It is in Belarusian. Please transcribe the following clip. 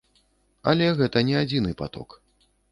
Але гэта не адзіны паток.